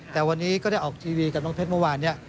แต่วันนี้ก็ได้ออกทีวีกับน้องเพชรเมื่อวานนี้